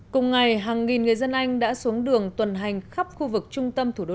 cùng ngày hàng nghìn người dân anh đã xuống đường tuần hành khắp khu vực trung tâm thủ đô